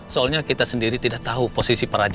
soalnya kita sendiri tidak tahu posisi perangnya